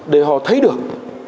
để họ thấy được